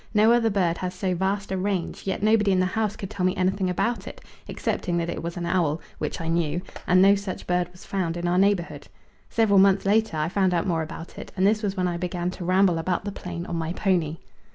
No other bird has so vast a range; yet nobody in the house could tell me anything about it, excepting that it was an owl, which I knew, and no such bird was found in our neighbourhood. Several months later I found out more about it, and this was when I began to ramble about the plain on my pony.